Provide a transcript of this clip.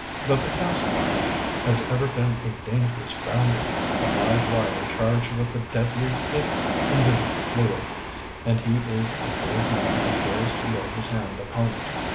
But the caste line has ever been a dangerous boundary a live wire charged with a deadly if invisible fluid and he is a brave man who dares lay his hand upon it.